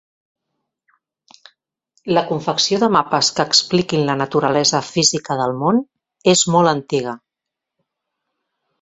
La confecció de mapes que expliquin la naturalesa física del món és molt antiga.